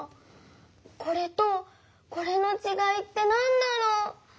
これとこれのちがいってなんだろう？